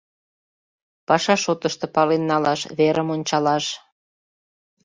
Паша шотышто пален налаш, верым ончалаш...